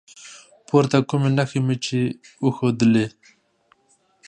پورته کومې نښې مې چې وښودلي